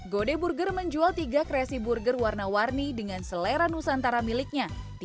gode burger menjual tiga kreasi burger warna warni dengan selera nusantara miliknya